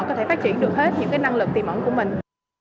có thể phát triển được hết những năng lực tìm ẩn của mình